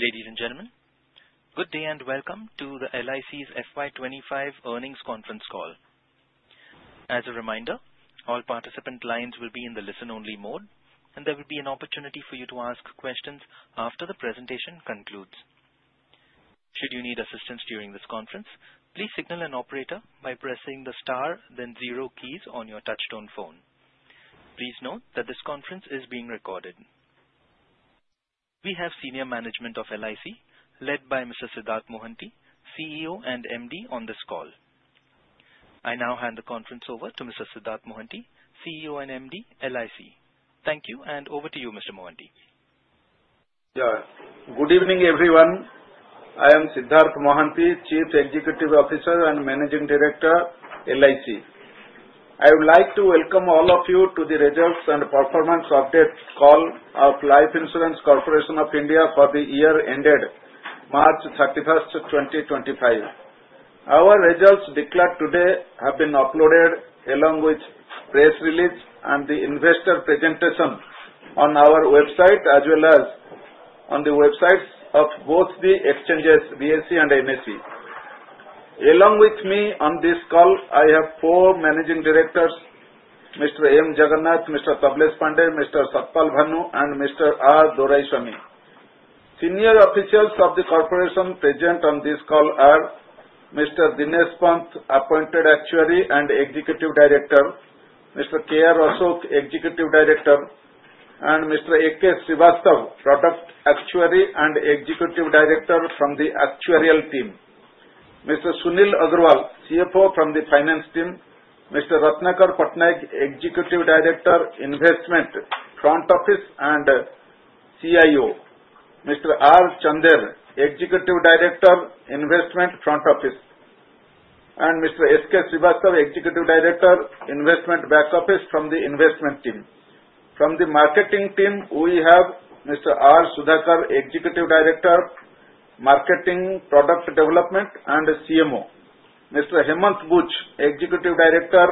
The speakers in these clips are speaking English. Ladies and gentlemen, good day and welcome to the LIC's FY25 earnings conference call. As a reminder, all participant lines will be in the listen-only mode, and there will be an opportunity for you to ask questions after the presentation concludes. Should you need assistance during this conference, please signal an operator by pressing the star, then zero keys on your touch-tone phone. Please note that this conference is being recorded. We have senior management of LIC, led by Mr. Siddharth Mohanty, CEO and MD, on this call. I now hand the conference over to Mr. Siddharth Mohanty, CEO and MD, LIC. Thank you, and over to you, Mr. Mohanty. Good evening, everyone. I am Siddharth Mohanty, Chief Executive Officer and Managing Director, LIC. I would like to welcome all of you to the results and performance update call of Life Insurance Corporation of India for the year ended March 31, 2025. Our results declared today have been uploaded along with press release and the investor presentation on our website, as well as on the websites of both the exchanges, BSE and NSE. Along with me on this call, I have four managing directors: Mr. M. Jagannath, Mr. Tablesh Pandey, Mr. Sat Pal Bhanoo, and Mr. R. Doraiswamy. Senior officials of the corporation present on this call are Mr. Dinesh Pant, Appointed Actuary and Executive Director; Mr. K. R. Ashok, Executive Director; and Mr. Hitesh Dilip Srivastava, Product Actuary and Executive Director from the Actuarial Team; Mr. Sunil Agrawal, CFO from the Finance Team; Mr. Ratnakar Patnaik, Executive Director, Investment, Front Office and CIO, Mr. R. Chander, Executive Director, Investment, Front Office, and Mr. S. K. Srivastava, Executive Director, Investment, Back Office from the Investment Team. From the Marketing Team, we have Mr. R. Sudhakar, Executive Director, Marketing, Product Development and CMO, Mr. Hemant Buch, Executive Director,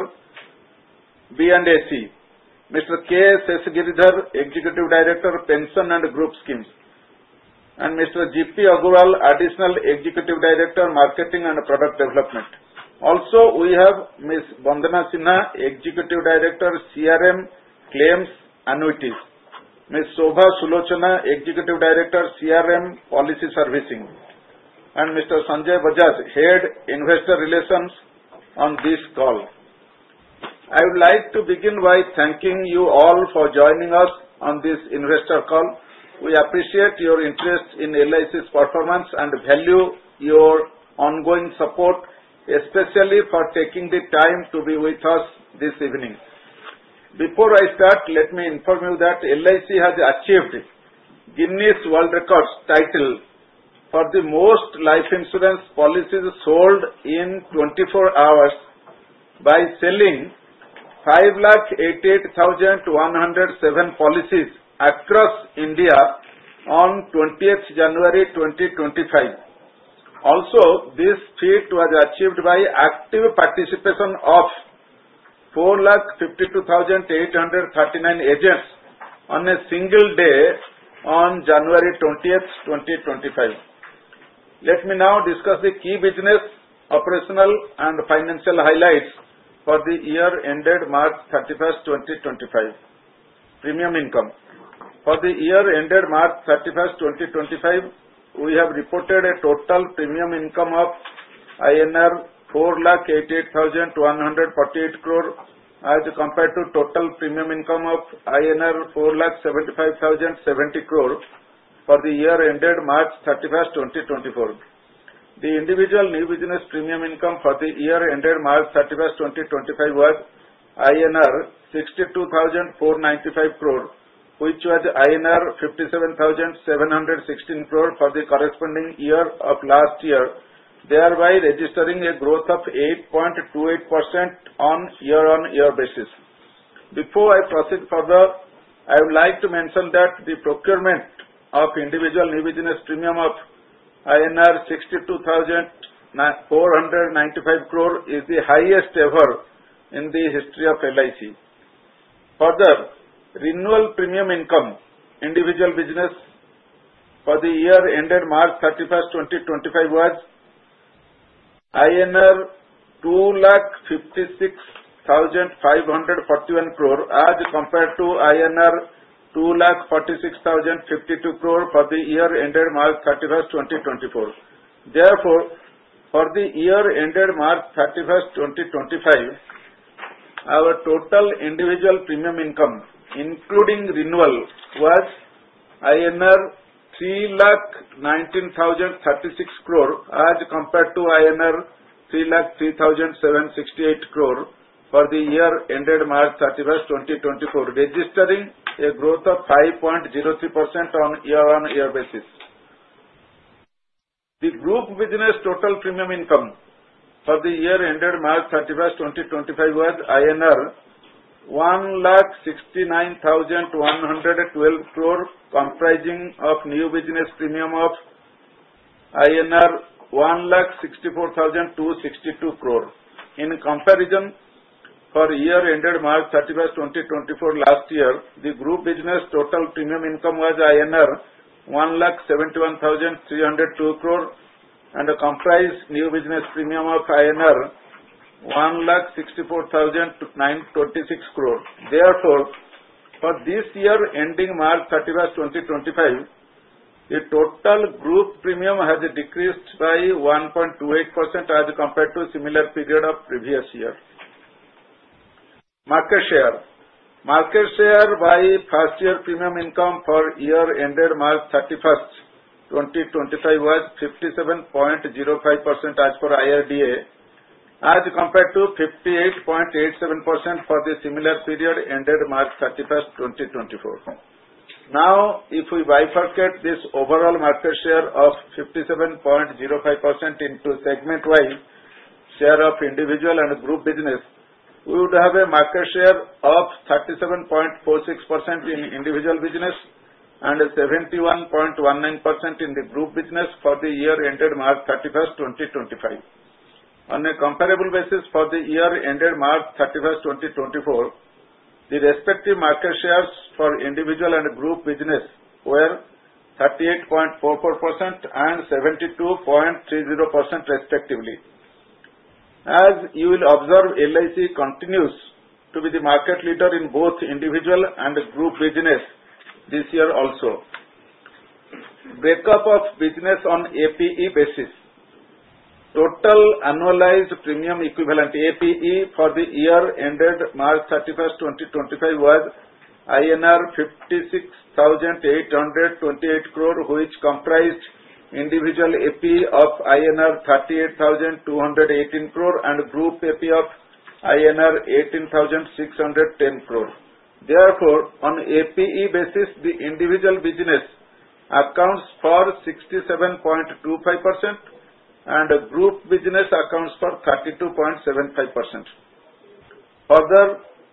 B&AC, Mr. K. S. Giridhar, Executive Director, Pension and Group Schemes, and Mr. J. P. Aggarwal, Additional Executive Director, Marketing and Product Development. Also, we have Ms. Vandana Sinha, Executive Director, CRM, Claims Annuities, Ms. Shobha Sulochana, Executive Director, CRM, Policy Servicing, and Mr. Sanjay Bajaj, Head, Investor Relations, on this call. I would like to begin by thanking you all for joining us on this investor call. We appreciate your interest in LIC's performance and value your ongoing support, especially for taking the time to be with us this evening. Before I start, let me inform you that LIC has achieved Guinness World Records title for the most life insurance policies sold in 24 hours by selling 588,107 policies across India on 20th January 2025. Also, this feat was achieved by active participation of 452,839 agents on a single day on January 20, 2025. Let me now discuss the key business, operational, and financial highlights for the year ended March 31, 2025. Premium Income: For the year ended March 31, 2025, we have reported a total premium income of INR 488,148 crore as compared to total premium income of INR 475,070 crore for the year ended March 31, 2024. The individual new business premium income for the year ended March 31, 2025, was INR 62,495 crore, which was INR 57,716 crore for the corresponding year of last year, thereby registering a growth of 8.28% on year-on-year basis. Before I proceed further, I would like to mention that the procurement of individual new business premium of INR 62,495 crore is the highest ever in the history of LIC. Further, renewal premium income individual business for the year ended March 31, 2025, was INR 256,541 crore as compared to INR 246,052 crore for the year ended March 31, 2024. Therefore, for the year ended March 31, 2025, our total individual premium income, including renewal, was INR 319,036 crore as compared to INR 303,768 crore for the year ended March 31, 2024, registering a growth of 5.03% on year-on-year basis. The group business total premium income for the year ended March 31, 2025, was INR 169,112 crore, comprising of new business premium of INR 164,262 crore. In comparison, for year ended March 31, 2024, last year, the group business total premium income was INR 171,302 crore and comprised new business premium of INR 164,926 crore. Therefore, for this year ending March 31, 2025, the total group premium has decreased by 1.28% as compared to similar period of previous year. Market Share: Market share by first-year premium income for year ended March 31, 2025, was 57.05% as per IRDA, as compared to 58.87% for the similar period ended March 31, 2024. Now, if we bifurcate this overall market share of 57.05% into segment-wise share of individual and group business, we would have a market share of 37.46% in individual business and 71.19% in the group business for the year ended March 31, 2025. On a comparable basis, for the year ended March 31, 2024, the respective market shares for individual and group business were 38.44% and 72.30% respectively. As you will observe, LIC continues to be the market leader in both individual and group business this year also. Breakup of business on APE basis: Total annualized premium equivalent APE for the year ended March 31, 2025, was INR 56,828 crore, which comprised individual APE of INR 38,218 crore and group APE of INR 18,610 crore. Therefore, on APE basis, the individual business accounts for 67.25% and group business accounts for 32.75%. Further,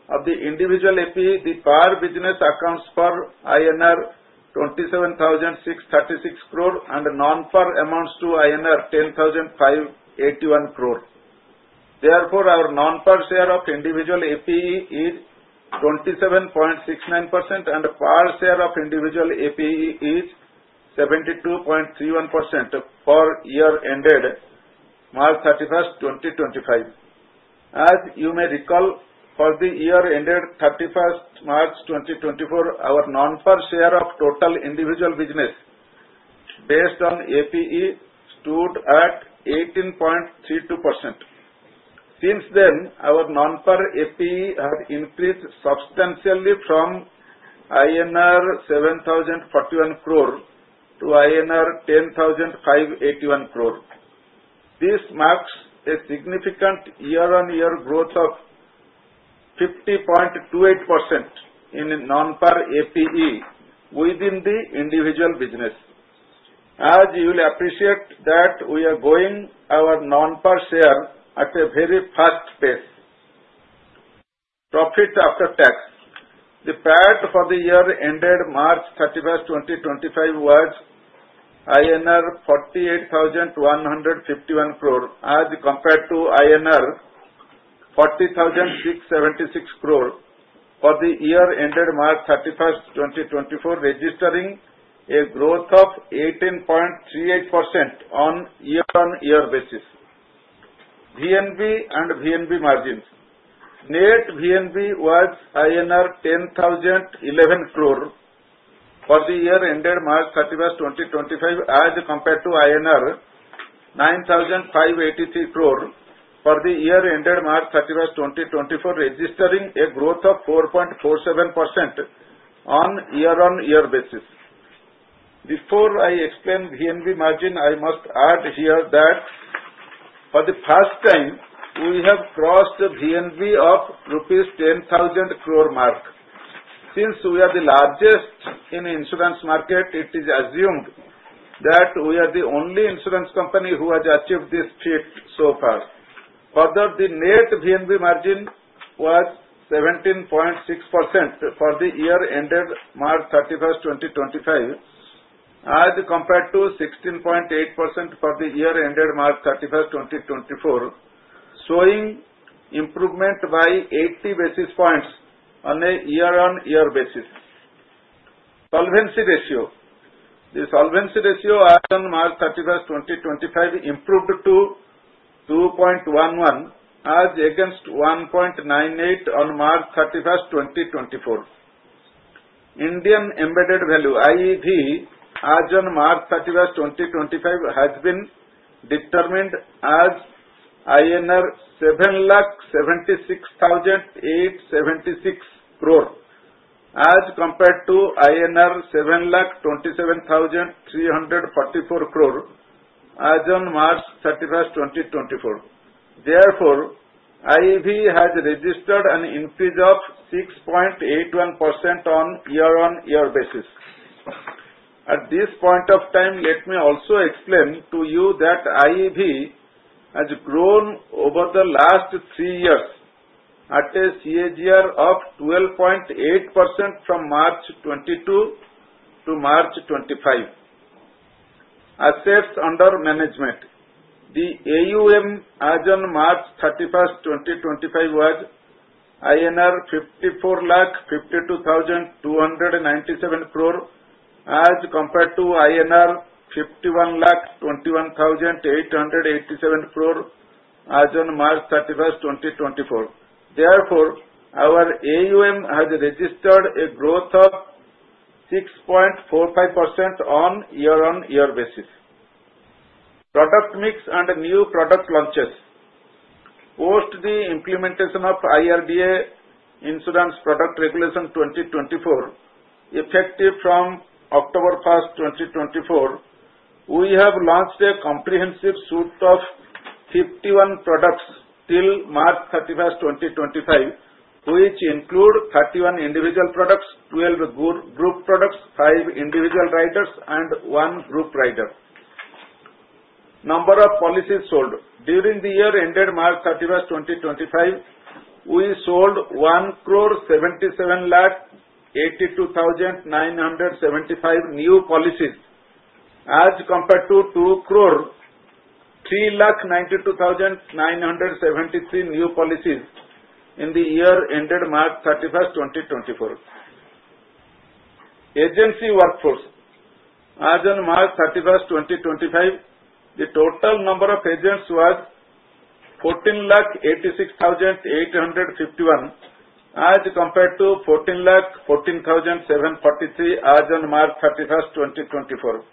of the individual APE, the Par business accounts for INR 27,636 crore and Non-Par amounts to INR 10,581 crore. Therefore, our Non-Par share of individual APE is 27.69% and Par share of individual APE is 72.31% for year ended March 31, 2025. As you may recall, for the year ended March 31, 2024, our Non-Par share of total individual business based on APE stood at 18.32%. Since then, our Non-Par APE has increased substantially from INR 7,041 crore to INR 10,581 crore. This marks a significant year-on-year growth of 50.28% in Non-Par APE within the individual business. As you will appreciate, we are growing our Non-Par share at a very fast pace. Profit After Tax: The PAT for the year ended March 31, 2025, was INR 48,151 crore as compared to INR 40,676 crore for the year ended March 31, 2024, registering a growth of 18.38% on year-on-year basis. VNB and VNB Margins: Net VNB was INR 10,011 crore for the year ended March 31, 2025, as compared to INR 9,583 crore for the year ended March 31, 2024, registering a growth of 4.47% on year-on-year basis. Before I explain VNB margin, I must add here that for the first time, we have crossed VNB of rupees 10,000 crore mark. Since we are the largest in the insurance market, it is assumed that we are the only insurance company who has achieved this feat so far. Further, the net VNB margin was 17.6% for the year ended March 31, 2025, as compared to 16.8% for the year ended March 31, 2024, showing improvement by 80 basis points on a year-on-year basis. Solvency Ratio: The solvency ratio as on March 31, 2025, improved to 2.11, as against 1.98 on March 31, 2024. Indian Embedded Value (IEV) as on March 31, 2025, has been determined as INR 776,876 crore, as compared to INR 727,344 crore as on March 31, 2024. Therefore, IEV has registered an increase of 6.81% on year-on-year basis. At this point of time, let me also explain to you that IEV has grown over the last three years at a CAGR of 12.8% from March 2022 to March 2025. Assets Under Management: The AUM as on March 31, 2025, was INR 54,52,297 crore, as compared to INR 51,21,887 crore as on March 31, 2024. Therefore, our AUM has registered a growth of 6.45% on year-on-year basis. Product Mix and New Product Launches: Post the implementation of IRDA Insurance Product Regulation 2024, effective from October 1, 2024, we have launched a comprehensive suite of 51 products till March 31, 2025, which include 31 individual products, 12 group products, 5 individual riders, and 1 group rider. Number of Policies Sold: During the year ended March 31, 2025, we sold 1,077,082,975 new policies, as compared to 2,392,973 new policies in the year ended March 31, 2024. Agency Workforce: As on March 31, 2025, the total number of agents was 1,486,851, as compared to 1,414,743 as on March 31, 2024.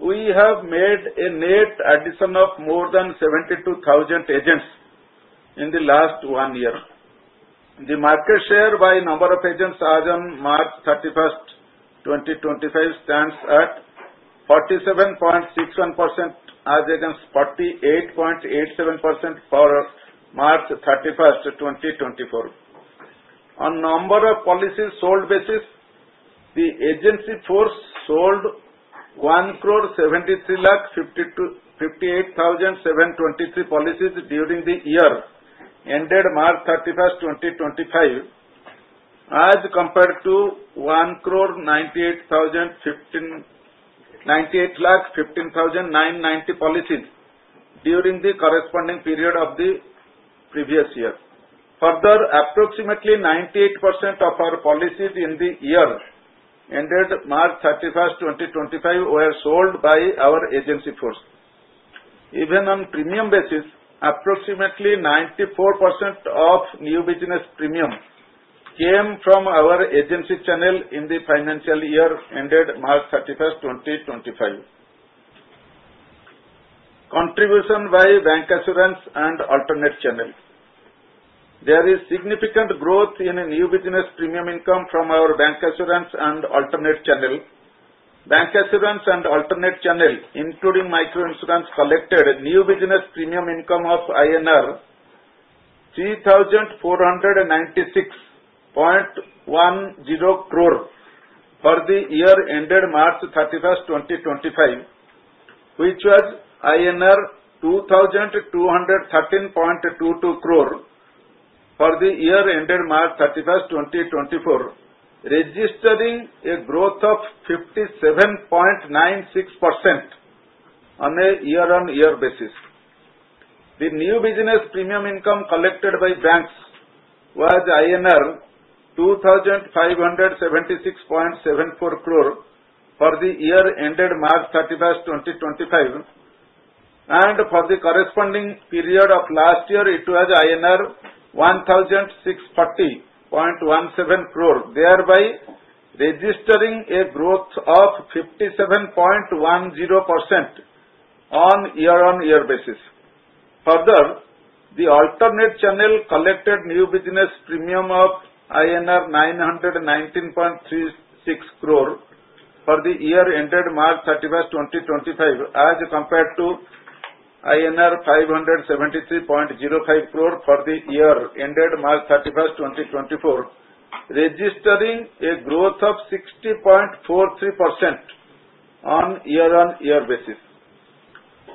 We have made a net addition of more than 72,000 agents in the last one year. The market share by number of agents as on March 31, 2025, stands at 47.61% as against 48.87% for March 31, 2024. On number of policies sold basis, the agency force sold 1,073,058,723 policies during the year ended March 31, 2025, as compared to 1,098,015,990 policies during the corresponding period of the previous year. Further, approximately 98% of our policies in the year ended March 31, 2025, were sold by our agency force. Even on premium basis, approximately 94% of new business premium came from our agency channel in the financial year ended March 31, 2025. Contribution by Bancassurance and Alternate Channel: There is significant growth in new business premium income from our bancassurance and alternate channel. Bancassurance and Alternate Channel, including microinsurance, collected new business premium income of INR 3,496.10 crore for the year ended March 31, 2025, which was INR 2,213.22 crore for the year ended March 31, 2024, registering a growth of 57.96% on a year-on-year basis. The new business premium income collected by banks was INR 2,576.74 crore for the year ended March 31, 2025, and for the corresponding period of last year, it was INR 1,640.17 crore, thereby registering a growth of 57.10% on year-on-year basis. Further, the alternate channel collected new business premium of INR 919.36 crore for the year ended March 31, 2025, as compared to INR 573.05 crore for the year ended March 31, 2024, registering a growth of 60.43% on year-on-year basis.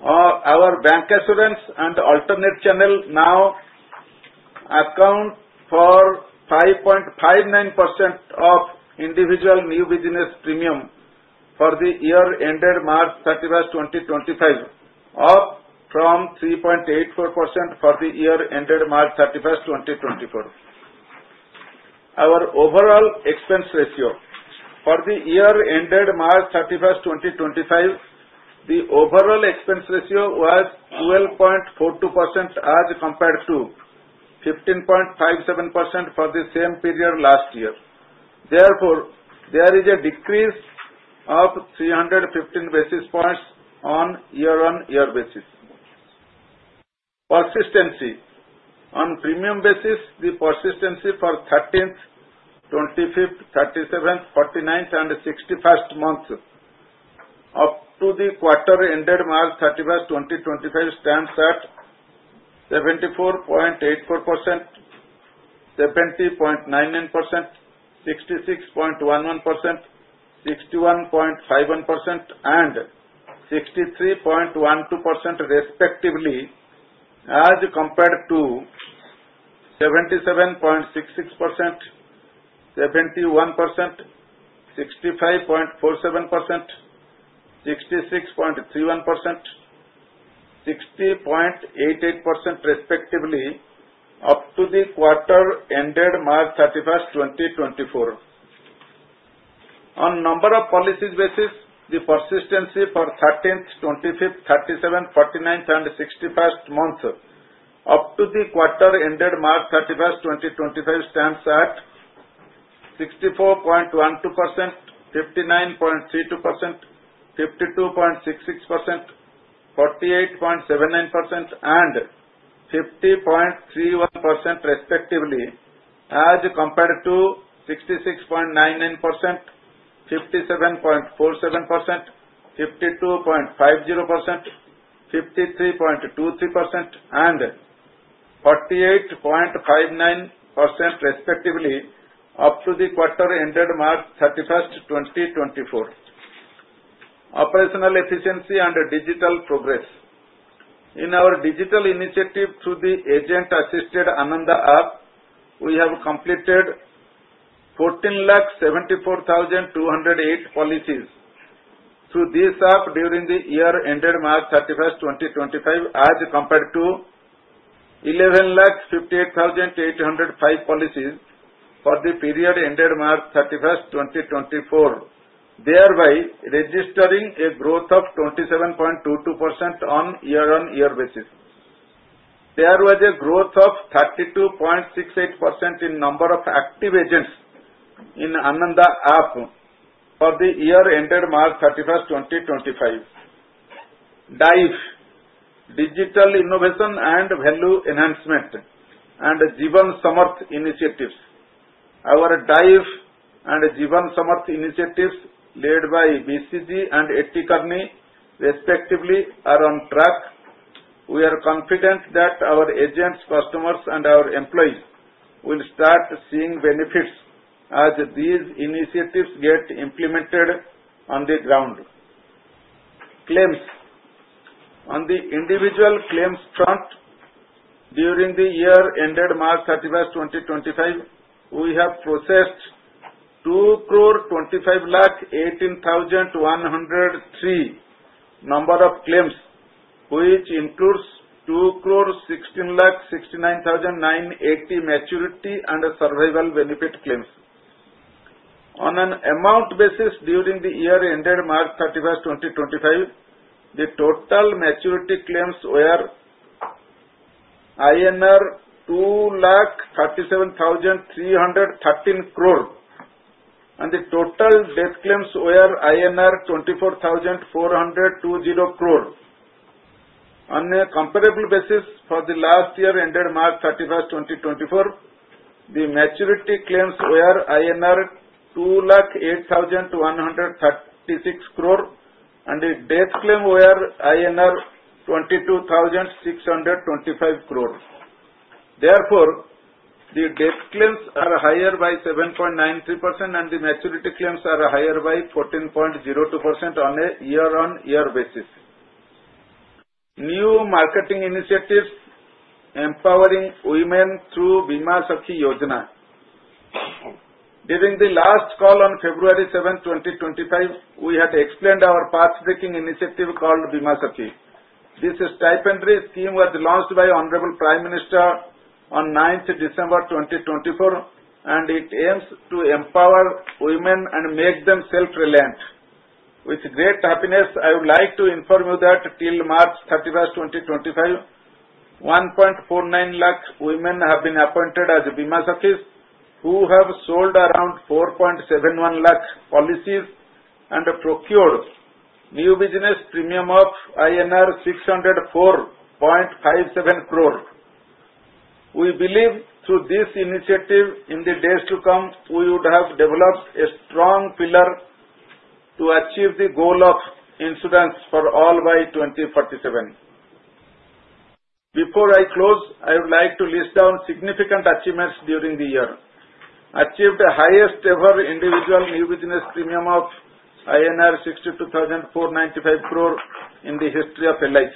Our bancassurance and alternate channel now account for 5.59% of individual new business premium for the year ended March 31, 2025, up from 3.84% for the year ended March 31, 2024. Our overall expense ratio for the year ended March 31, 2025, was 12.42% as compared to 15.57% for the same period last year. Therefore, there is a decrease of 315 basis points on year-on-year basis. Persistency: On premium basis, the persistency for 13th, 25th, 37th, 49th, and 61st months up to the quarter ended March 31, 2025, stands at 74.84%, 70.99%, 66.11%, 61.51%, and 63.12% respectively, as compared to 77.66%, 71%, 65.47%, 66.31%, 60.88% respectively up to the quarter ended March 31, 2024. On number of policies basis, the persistency for 13th, 25th, 37th, 49th, and 61st months up to the quarter ended March 31, 2025, stands at 64.12%, 59.32%, 52.66%, 48.79%, and 50.31% respectively, as compared to 66.99%, 57.47%, 52.50%, 53.23%, and 48.59% respectively up to the quarter ended March 31, 2024. Operational Efficiency and Digital Progress: In our digital initiative through the Agent-Assisted Ananda app, we have completed 1,474,208 policies through this app during the year ended March 31, 2025, as compared to 1,158,805 policies for the period ended March 31, 2024, thereby registering a growth of 27.22% on year-on-year basis. There was a growth of 32.68% in number of active agents in Ananda app for the year ended March 31, 2025. DIVE: Digital Innovation and Value Enhancement and Jeevan Samarth Initiatives. Our DIVE and Jeevan Samarth Initiatives, led by BCG and Kearney respectively, are on track. We are confident that our agents, customers, and our employees will start seeing benefits as these initiatives get implemented on the ground. Claims. On the individual claims front, during the year ended March 31, 2025, we have processed 2,251,810 number of claims, which includes 2,169,980 maturity and survival benefit claims. On an amount basis, during the year ended March 31, 2025, the total maturity claims were INR 237,313 crore, and the total death claims were INR 24,402 crore. On a comparable basis, for the last year ended March 31, 2024, the maturity claims were INR 208,136 crore, and the death claims were INR 22,625 crore. Therefore, the death claims are higher by 7.93%, and the maturity claims are higher by 14.02% on a year-on-year basis. New Marketing Initiatives Empowering Women Through Bima Sakhi Yojana. During the last call on February 7, 2025, we had explained our path-breaking initiative called Bima Sakhi. This stipend scheme was launched by Hon. Prime Minister on 9 December 2024, and it aims to empower women and make them self-reliant. With great happiness, I would like to inform you that till March 31, 2025, 1.49 lakh women have been appointed as Bima Sakhis, who have sold around 4.71 lakh policies and procured new business premium of INR 604.57 crore. We believe through this initiative, in the days to come, we would have developed a strong pillar to achieve the goal of insurance for all by 2047. Before I close, I would like to list down significant achievements during the year. Achieved highest-ever individual new business premium of INR 62,495 crore in the history of LIC.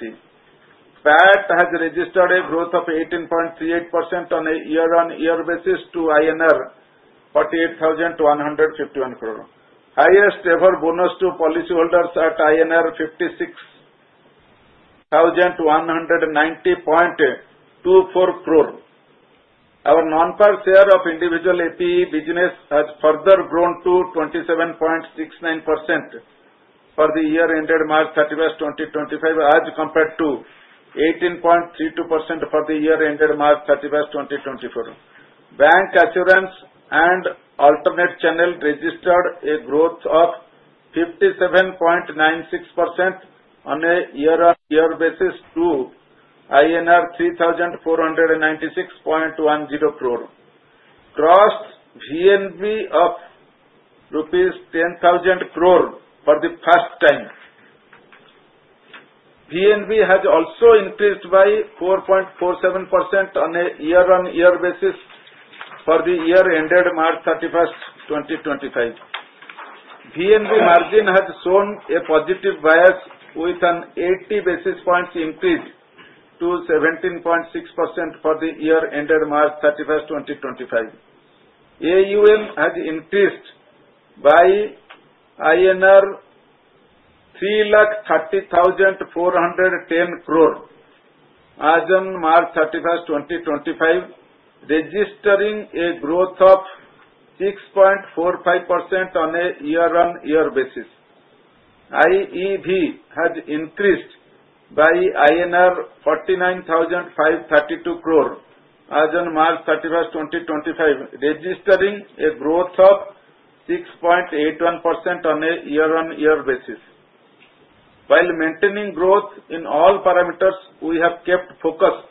PAT has registered a growth of 18.38% on a year-on-year basis to INR 48,151 crore. Highest-ever bonus to policyholders at INR 56,190.24 crore. Our Non-Par share of individual APE business has further grown to 27.69% for the year ended March 31, 2025, as compared to 18.32% for the year ended March 31, 2024. Bancassurance and Alternate Channel registered a growth of 57.96% on a year-on-year basis to INR 3,496.10 crore. Crossed VNB of rupees 10,000 crore for the first time. VNB has also increased by 4.47% on a year-on-year basis for the year ended March 31, 2025. VNB margin has shown a positive bias with an 80 basis points increase to 17.6% for the year ended March 31, 2025. AUM has increased by INR 330,410 crore as on March 31, 2025, registering a growth of 6.45% on a year-on-year basis. IEV has increased by INR 49,532 crore as on March 31, 2025, registering a growth of 6.81% on a year-on-year basis. While maintaining growth in all parameters, we have kept focus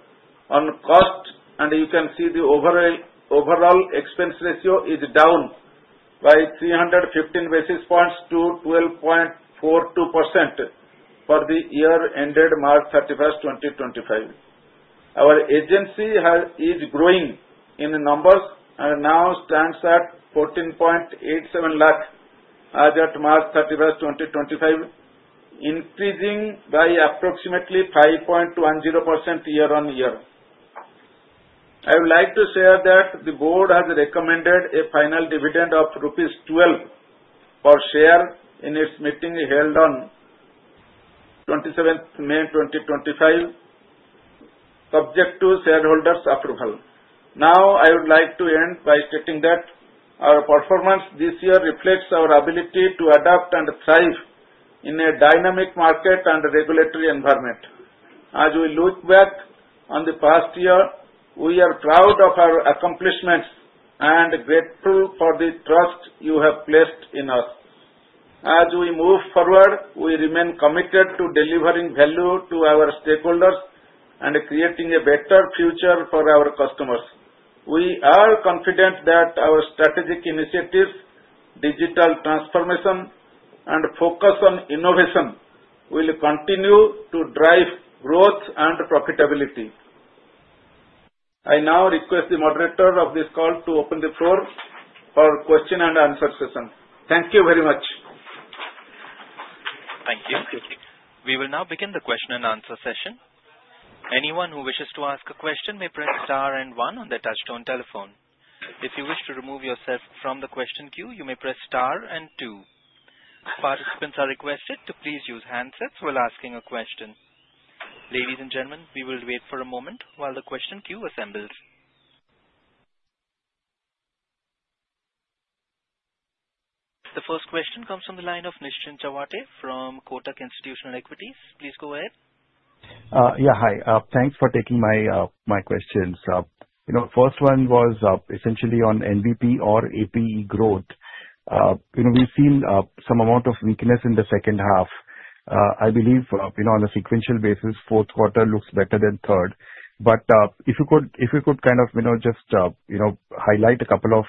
on cost, and you can see the overall expense ratio is down by 315 basis points to 12.42% for the year ended March 31, 2025. Our agency is growing in numbers and now stands at 14.87 lakh as at March 31, 2025, increasing by approximately 5.10% year-on-year. I would like to share that the board has recommended a final dividend of rupees 12 per share in its meeting held on 27 May 2025, subject to shareholders' approval. Now, I would like to end by stating that our performance this year reflects our ability to adapt and thrive in a dynamic market and regulatory environment. As we look back on the past year, we are proud of our accomplishments and grateful for the trust you have placed in us. As we move forward, we remain committed to delivering value to our stakeholders and creating a better future for our customers. We are confident that our strategic initiatives, digital transformation, and focus on innovation will continue to drive growth and profitability. I now request the moderator of this call to open the floor for question and answer session. Thank you very much. Thank you. We will now begin the question and answer session. Anyone who wishes to ask a question may press star and one on their touch-tone telephone. If you wish to remove yourself from the question queue, you may press star and two. Participants are requested to please use handsets while asking a question. Ladies and gentlemen, we will wait for a moment while the question queue assembles. The first question comes from the line of Nischint Chawathe from Kotak Institutional Equities. Please go ahead. Yeah, hi. Thanks for taking my questions. The first one was essentially on VNB or APE growth. We've seen some amount of weakness in the second half. I believe on a sequential basis, fourth quarter looks better than third. But if you could kind of just highlight a couple of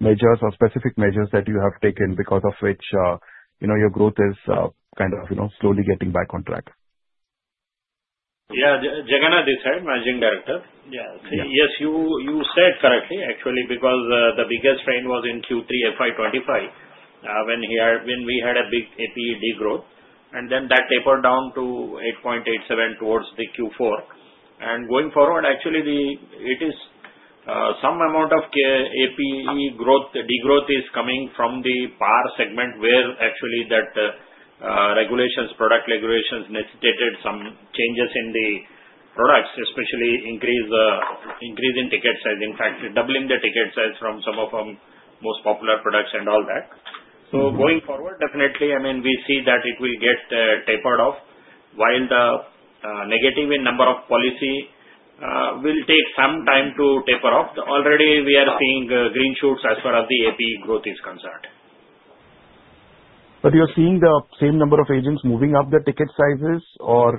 measures or specific measures that you have taken because of which your growth is kind of slowly getting back on track. Yeah, M. Jagannath, Managing Director. Yes, you said correctly, actually, because the biggest trend was in Q3 FY25 when we had a big APE growth, and then that tapered down to 8.87 towards the Q4. Going forward, actually, it is some amount of APE growth, degrowth is coming from the Par segment where actually that regulations, product regulations necessitated some changes in the products, especially increase in ticket size, in fact, doubling the ticket size from some of our most popular products and all that. So going forward, definitely, I mean, we see that it will get tapered off while the negative in number of policy will take some time to taper off. Already, we are seeing green shoots as far as the APE growth is concerned. But you're seeing the same number of agents moving up their ticket sizes, or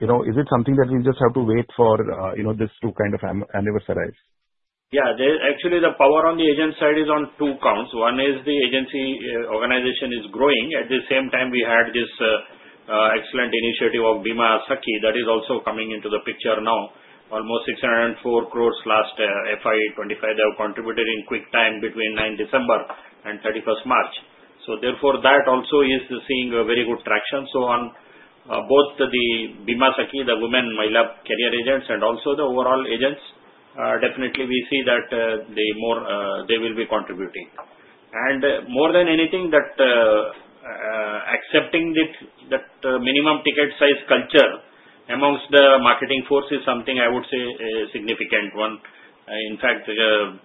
is it something that we just have to wait for this to kind of anniversarize? Yeah, actually, the power on the agent side is on two counts. One is the agency organization is growing. At the same time, we had this excellent initiative of Bima Sakhi that is also coming into the picture now, almost 604 crores last FY25. They have contributed in quick time between 9 December and 31 March. So therefore, that also is seeing a very good traction. So on both the Bima Sakhi, the women Mahila career agents, and also the overall agents, definitely we see that they will be contributing. And more than anything, accepting that minimum ticket size culture amongst the marketing force is something I would say a significant one. In fact, in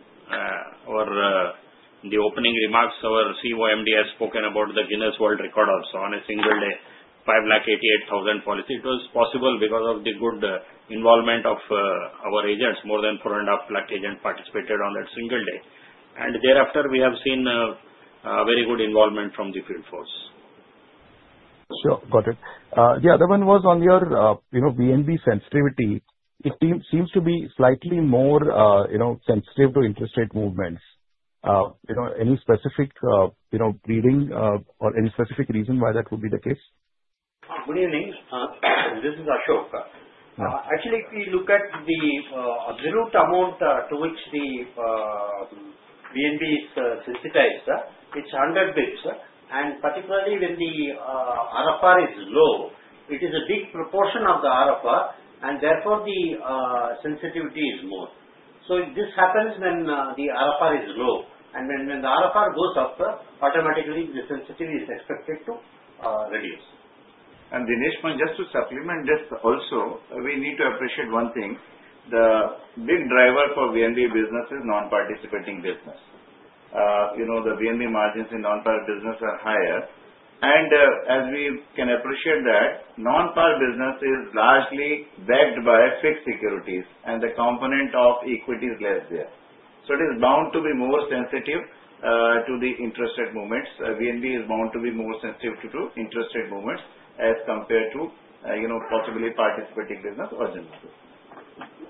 the opening remarks, our CEO, MD, has spoken about the Guinness World Record also on a single day, 588,000 policy. It was possible because of the good involvement of our agents. More than 4.5 lakh agents participated on that single day. And thereafter, we have seen very good involvement from the field force. Sure, got it. The other one was on your VNB sensitivity. It seems to be slightly more sensitive to interest rate movements. Any specific reasoning or any specific reason why that would be the case? Good evening. This is Ashok. Actually, if you look at the absolute amount to which the VNB is sensitized, it's 100 basis points, and particularly, when the RFR is low, it is a big proportion of the RFR, and therefore, the sensitivity is more. So this happens when the RFR is low, and when the RFR goes up, automatically, the sensitivity is expected to reduce, and Dinesh Pant, just to supplement this also, we need to appreciate one thing. The big driver for VNB business is Non-participating business. The VNB margins in Non-Par business are higher. As we can appreciate that, Non-Par business is largely backed by fixed securities, and the component of equity is less there. So it is bound to be more sensitive to the interest rate movements. VNB is bound to be more sensitive to interest rate movements as compared to possibly Participating business or general business. Sure.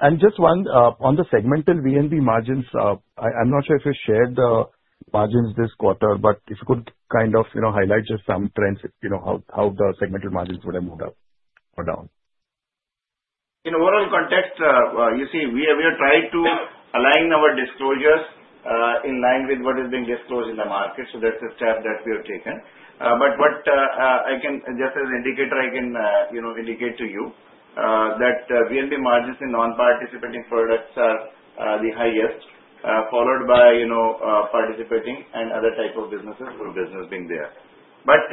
And just one on the segmental VNB margins, I'm not sure if you shared the margins this quarter, but if you could kind of highlight just some trends, how the segmental margins would have moved up or down. In overall context, you see, we have tried to align our disclosures in line with what is being disclosed in the market. So that's the step that we have taken. But what I can, just as an indicator, I can indicate to you that VNB margins in non-participating products are the highest, followed by participating and other types of businesses or business being there. But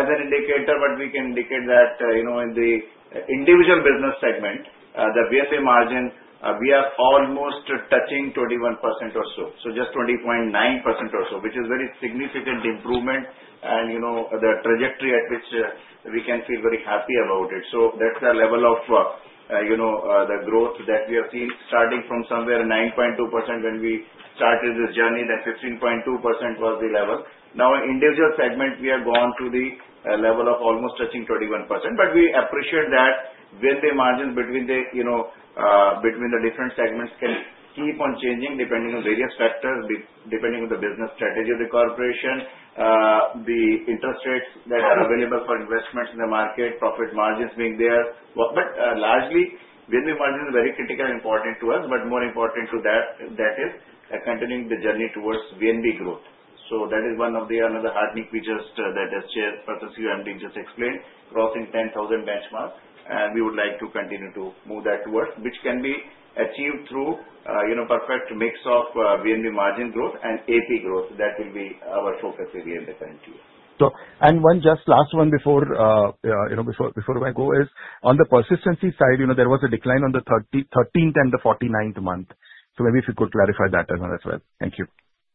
as an indicator, what we can indicate that in the individual business segment, the VNB margin, we are almost touching 21% or so. So just 20.9% or so, which is a very significant improvement and the trajectory at which we can feel very happy about it. So that's the level of the growth that we have seen, starting from somewhere 9.2% when we started this journey, then 15.2% was the level. Now, individual segment, we have gone to the level of almost touching 21%. But we appreciate that VNB margins between the different segments can keep on changing depending on various factors, depending on the business strategy of the corporation, the interest rates that are available for investments in the market, profit margins being there. But largely, VNB margins are very critical and important to us, but more important to that is continuing the journey towards VNB growth. So that is one of the another heartbeat we just heard that as the Chairperson and MD just explained, crossing 10,000 benchmarks. And we would like to continue to move that towards, which can be achieved through a perfect mix of VNB margin growth and APE growth. That will be our focus area in the current year. And one just last one before I go is on the persistency side, there was a decline on the 13th and the 49th month. So maybe if you could clarify that as well. Thank you.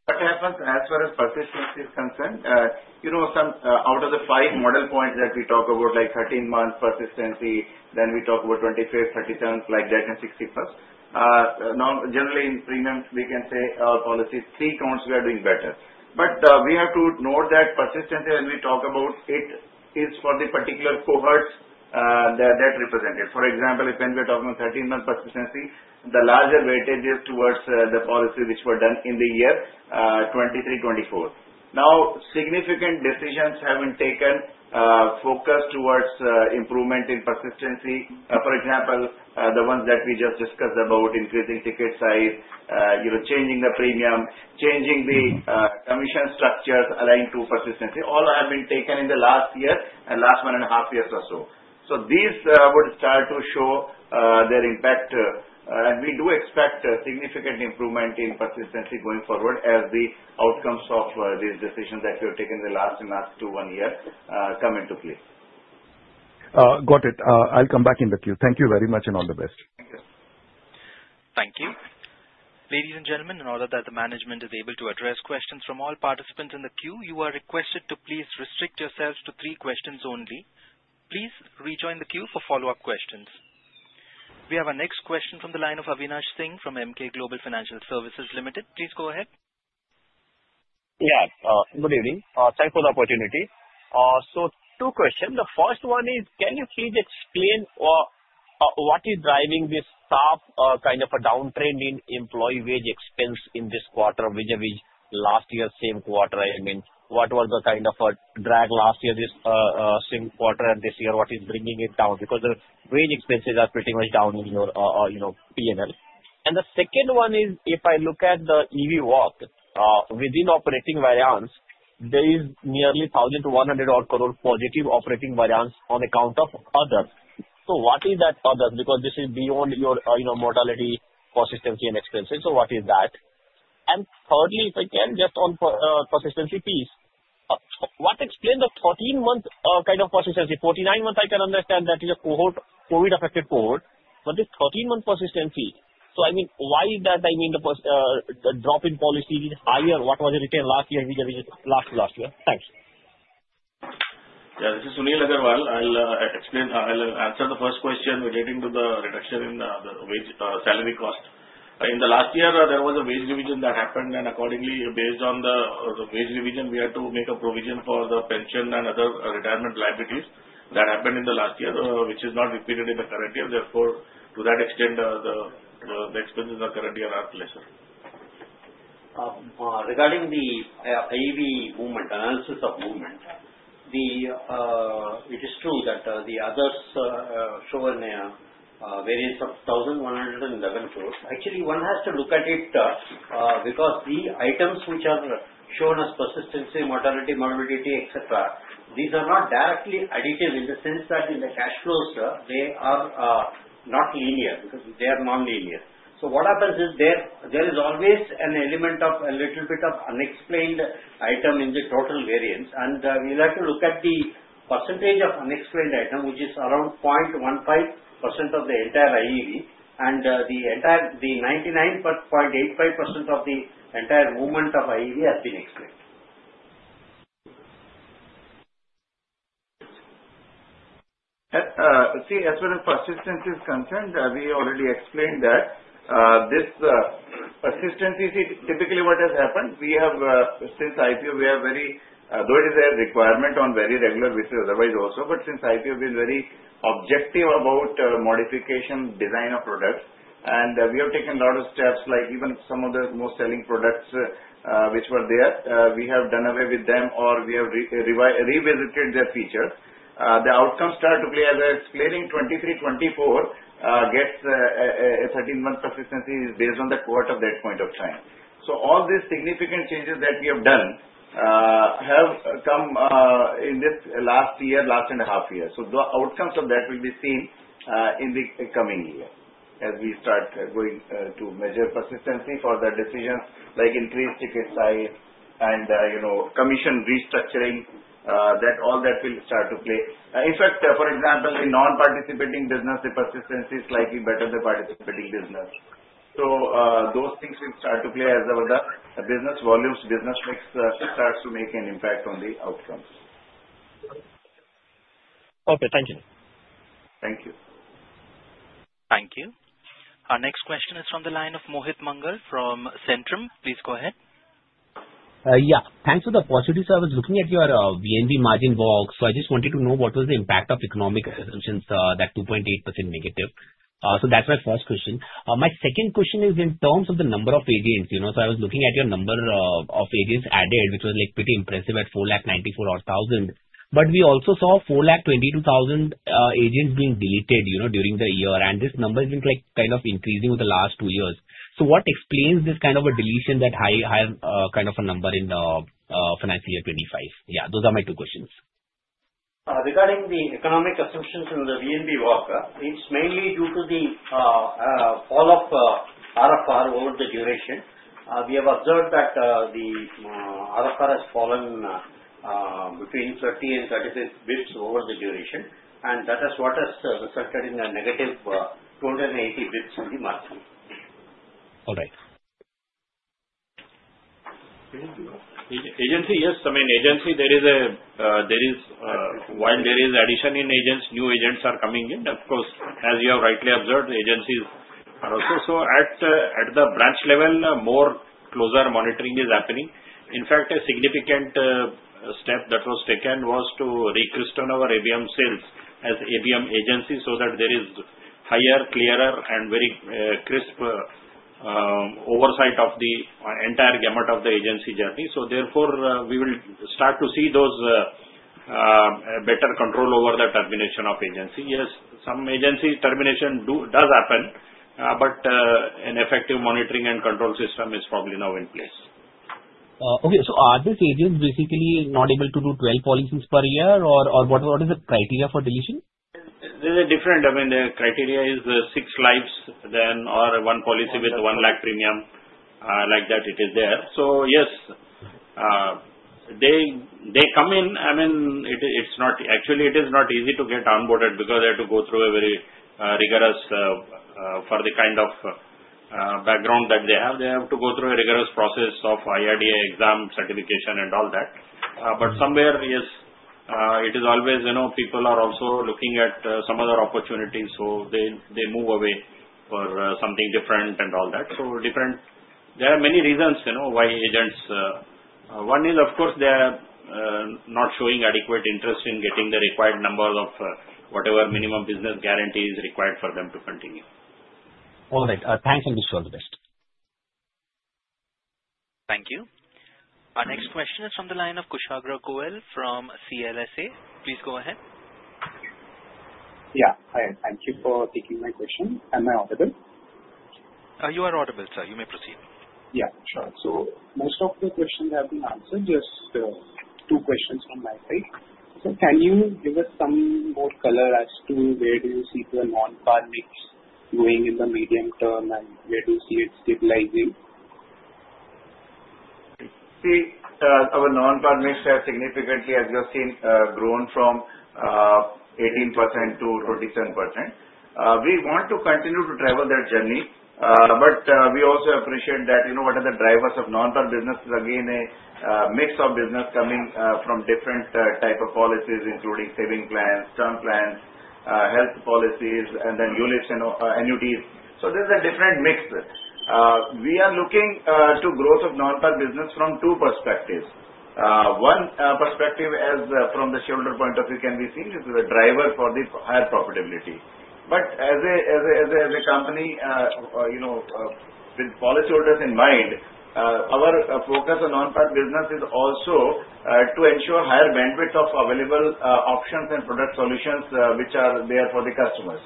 What happens as far as persistency is concerned, out of the five model points that we talk about, like 13 months persistency, then we talk about 25th, 37th, like that, and 61st. Now, generally, in premiums, we can say our policies, three counts, we are doing better. But we have to note that persistency, when we talk about it, is for the particular cohorts that represented. For example, if when we are talking about 13 months persistency, the larger weightage is towards the policies which were done in the year 2023-24. Now, significant decisions have been taken, focused towards improvement in persistency. For example, the ones that we just discussed about increasing ticket size, changing the premium, changing the commission structures aligned to persistency, all have been taken in the last year and last one and a half years or so. So these would start to show their impact. And we do expect significant improvement in persistency going forward as the outcomes of these decisions that we have taken in the last two-one year come into place. Got it. I'll come back in the queue. Thank you very much and all the best. Thank you. Thank you. Ladies and gentlemen, in order that the management is able to address questions from all participants in the queue, you are requested to please restrict yourselves to three questions only. Please rejoin the queue for follow-up questions. We have a next question from the line of Avinash Singh from Emkay Global Financial Services Limited. Please go ahead. Yeah. Good evening. Thanks for the opportunity. So two questions. The first one is, can you please explain what is driving this tough kind of a downtrend in employee wage expense in this quarter vis-à-vis last year, same quarter? I mean, what was the kind of a drag last year, this same quarter, and this year, what is bringing it down? Because the wage expenses are pretty much down in your P&L. And the second one is, if I look at the EVOP within operating variance, there is nearly 1,200-odd crore positive operating variance on account of others. So what is that others? Because this is beyond your mortality persistency and expenses. So what is that? And thirdly, if I can, just on persistency piece, what explains the 13-month kind of persistency? 49 months, I can understand that is a COVID-affected cohort, but this 13-month persistency. So, I mean, why is that? I mean, the drop in policy is higher. What was it retained last year vis-à-vis last last year? Thanks. Yeah, this is Sunil Agrawal. I'll answer the first question relating to the reduction in the wage salary cost. In the last year, there was a wage revision that happened, and accordingly, based on the wage revision, we had to make a provision for the pension and other retirement liabilities that happened in the last year, which is not repeated in the current year. Therefore, to that extent, the expenses in the current year are lesser. Regarding the AUM movement, analysis of movement, it is true that the others show a variance of 1,111 crores. Actually, one has to look at it because the items which are shown as persistency, mortality, etc., these are not directly additive in the sense that in the cash flows, they are not linear because they are non-linear. So what happens is there is always an element of a little bit of unexplained item in the total variance. And we like to look at the percentage of unexplained item, which is around 0.15% of the entire IEV. And the 99.85% of the entire movement of IEV has been explained. See, as far as persistency is concerned, we already explained that this persistency, typically what has happened, we have since IPO, we have, though it is a requirement on very regular basis, otherwise also, but since IPO, we've been very objective about modification design of products. And we have taken a lot of steps, like even some of the most selling products which were there, we have done away with them or we have revisited their features. The outcomes start to play as I was explaining, 23-24 gets a 13-month persistency based on the quarter at that point of time. So all these significant changes that we have done have come in this last year, last and a half year. So the outcomes of that will be seen in the coming year as we start going to measure persistency for the decisions like increased ticket size and commission restructuring. All that will start to play. In fact, for example, in non-participating business, the persistency is slightly better than participating business. So those things will start to play as the business volumes, business mix starts to make an impact on the outcomes. Okay. Thank you. Thank you. Thank you. Our next question is from the line of Mohit Mangal from Centrum. Please go ahead. Yeah. Thanks for the opportunity. So I was looking at your VNB margin box. So I just wanted to know what was the impact of economic assumptions, that 2.8% negative. So that's my first question. My second question is in terms of the number of agents. So I was looking at your number of agents added, which was pretty impressive at 494-odd thousand. But we also saw 422,000 agents being deleted during the year. And this number has been kind of increasing over the last two years. So what explains this kind of a deletion, that higher kind of a number in the financial year 25? Yeah, those are my two questions. Regarding the economic assumptions in the VNB box, it's mainly due to the fall of RFR over the duration. We have observed that the RFR has fallen between 30 and 35 basis points over the duration. And that is what has resulted in a negative 280 basis points in the market. All right. Agency, yes. I mean, agency, there is, while there is addition in agents, new agents are coming in. Of course, as you have rightly observed, agencies are also. So at the branch level, more closer monitoring is happening. In fact, a significant step that was taken was to reclassify our ABM sales as ABM agency so that there is higher, clearer, and very crisp oversight of the entire gamut of the agency journey. So therefore, we will start to see those better control over the termination of agency. Yes, some agency termination does happen, but an effective monitoring and control system is probably now in place. Okay. So, are these agents basically not able to do 12 policies per year? Or what is the criteria for deletion? There's a difference. I mean, the criteria is six lives then or one policy with 1 lakh premium. Like that, it is there. So yes, they come in. I mean, it's not actually, it is not easy to get onboarded because they have to go through a very rigorous for the kind of background that they have. They have to go through a rigorous process of IRDA exam certification and all that. But somewhere, yes, it is always people are also looking at some other opportunities. So they move away for something different and all that. So different there are many reasons why agents one is, of course, they are not showing adequate interest in getting the required number of whatever minimum business guarantee is required for them to continue. All right. Thanks. And wish you all the best. Thank you. Our next question is from the line of Kushagra Goel from CLSA. Please go ahead. Yeah. Thank you for taking my question. Am I audible? You are audible, sir. You may proceed. Yeah. Sure. So most of the questions have been answered. Just two questions from my side. So can you give us some more color as to where do you see the Non-Par mix going in the medium term and where do you see it stabilizing? See, our Non-Par mix has significantly, as you have seen, grown from 18% to 27%. We want to continue to travel that journey. But we also appreciate that what are the drivers of Non-Par business is again a mix of business coming from different types of policies, including saving plans, term plans, health policies, and then units, Annuities. So there's a different mix. We are looking to growth of Non-Par business from two perspectives. One perspective, as from the shareholder point of view can be seen, is the driver for the higher profitability. But as a company, with policyholders in mind, our focus on Non-Par business is also to ensure higher bandwidth of available options and product solutions which are there for the customers.